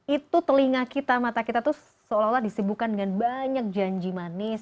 itu telinga kita mata kita tuh seolah olah disibukan dengan banyak janji manis